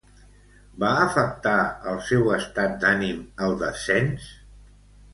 Va afectar el seu estat d'ànim al descens?